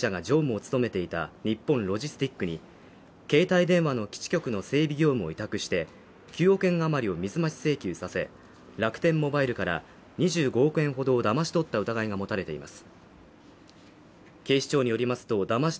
楽天モバイルの元部長、佐藤友紀容疑者は一昨年７月、三橋一成容疑者が常務を務めていた日本ロジステックに携帯電話の基地局の整備業務を委託して９億円余りを水増し請求させ楽天モバイルから２５億円ほどをだまし取った疑いが持たれています。